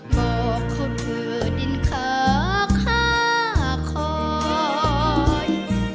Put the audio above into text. บอกเขาเธอดินขาฆ่าคอย